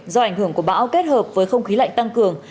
do ảnh hưởng của bão kết hợp với không khí lạnh tăng cường